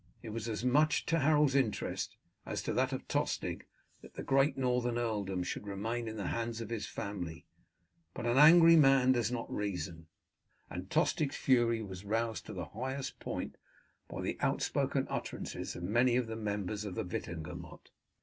It was as much to Harold's interest as to that of Tostig that the great northern earldom should remain in the hands of his family; but an angry man does not reason, and Tostig's fury was roused to the highest point by the outspoken utterances of many of the members of the Witenagemot.